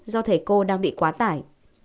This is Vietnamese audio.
do thầy cô đang bị quá tải